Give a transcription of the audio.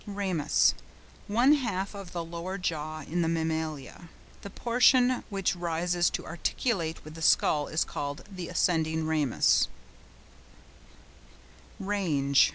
RAMUS.—One half of the lower jaw in the Mammalia. The portion which rises to articulate with the skull is called the ascending ramus. RANGE.